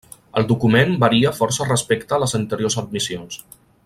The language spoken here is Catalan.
El document varia força respecte a les anteriors admissions.